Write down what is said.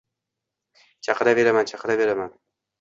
chaqiraveraman, chaqiraveraman…